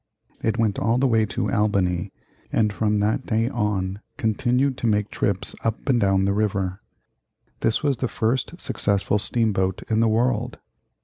It went all the way to Albany, and from that day on continued to make trips up and down the river. This was the first successful steam boat in the world.